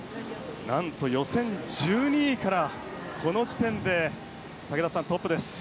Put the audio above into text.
なんと予選１２位からこの時点で武田さん、トップです。